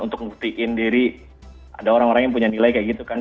untuk ngebuktiin diri ada orang orang yang punya nilai kayak gitu kan